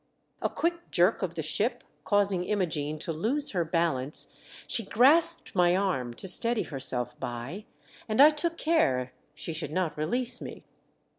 A quick jerk of the ship causing Imogene to lose her balance, she grasped my arm to steady herself by, and I took care she should not release me.